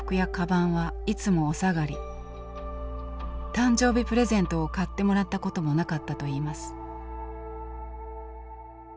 誕生日プレゼントを買ってもらったこともなかったといいます。